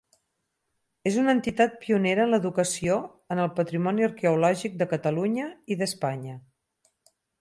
És una entitat pionera en l'educació en el patrimoni arqueològic de Catalunya i d'Espanya.